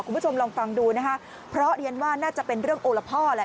คุณผู้ชมลองฟังดูนะคะเพราะเรียนว่าน่าจะเป็นเรื่องโอละพ่อแหละ